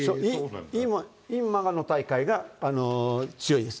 今までの大会が強いです。